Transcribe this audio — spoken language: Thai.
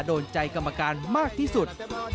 โดนใจกรรมการมากที่สุด